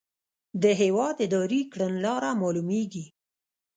د هیواد اداري کړنلاره معلوموي.